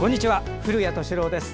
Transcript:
古谷敏郎です。